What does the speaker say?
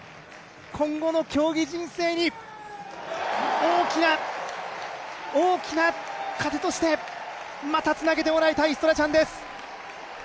今後の競技人生に大きな、大きな糧として、またつなげてもらいたい、ストラチャンです。